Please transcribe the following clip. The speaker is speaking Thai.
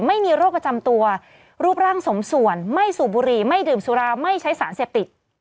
ไม่มีโรคประจำตัวรูปร่างสมส่วนไม่สูบบุหรี่ไม่ดื่มสุราไม่ใช้สารเสพติด